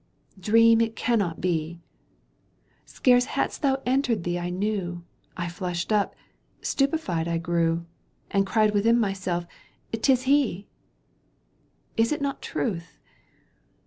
Dream it cannot be ! Scarce hadst thou entered thee I knew, I flushed up, stupefied I grew, And cried within myseK : 'tis he ! Is it not truth